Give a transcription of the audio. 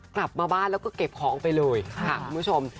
กลับมาบ้านแล้วก็เก็บของไปเลยค่ะคุณผู้ชม